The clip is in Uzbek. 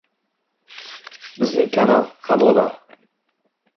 Bizning kanal Havola 👇👇👇